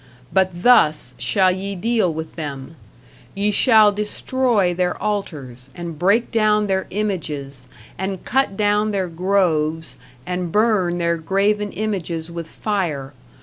But thus shall ye deal with them; ye shall destroy their altars, and break down their images, and cut down their groves, and burn their graven images with fire.